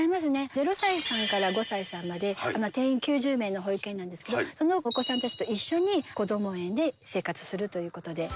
０歳から５歳さんまで、定員９０名の保育園なんですけれども、そのお子さんたちと一緒にこども園で生活するということで。